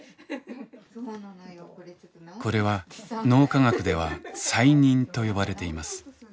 これは脳科学では再認と呼ばれています。